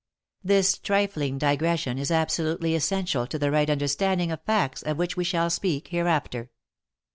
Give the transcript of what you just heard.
This trifling digression is absolutely essential to the right understanding of facts of which we shall speak hereafter.